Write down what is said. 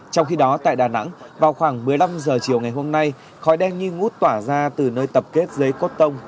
trong khi đó tại đà nẵng vào khoảng một mươi năm h chiều ngày hôm nay khói đen nghi ngút tỏa ra từ nơi tập kết giấy cốt tông